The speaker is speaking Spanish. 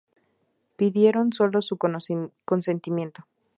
Pidieron solo su consentimiento.